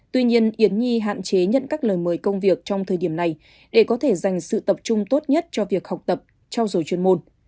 tuy nhiên yến nhi hạn chế nhận các lời mời công việc trong thời điểm này để có thể dành sự tập trung tốt nhất cho việc học tập trao dồi chuyên môn